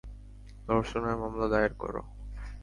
ধর্ষণের মামলা দায়ের কর।